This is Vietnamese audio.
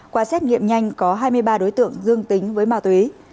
qua xét nghiệm nhanh có hai mươi ba đối tượng dương tính với ma túy